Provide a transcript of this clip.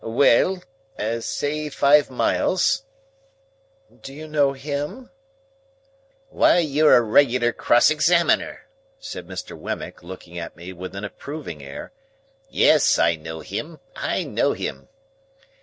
"Well! Say five miles." "Do you know him?" "Why, you're a regular cross examiner!" said Mr. Wemmick, looking at me with an approving air. "Yes, I know him. I know him!"